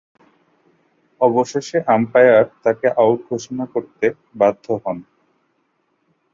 অবশেষে আম্পায়ার তাকে আউট ঘোষণা করতে বাধ্য হন।